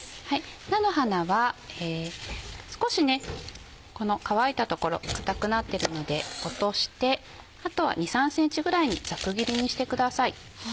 菜の花は少しこの乾いた所硬くなってるので落としてあとは２３ｃｍぐらいにざく切りにしてください。